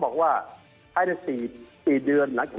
ซึ่งเราได้ตรับสินกันเมื่อวันที่